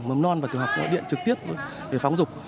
mầm non và tiểu học gọi điện trực tiếp để phóng dục